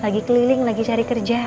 lagi lagi liling lagi cari kerja